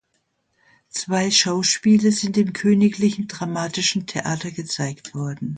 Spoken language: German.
Zwei Schauspiele sind im Königlichen Dramatischen Theater gezeigt worden.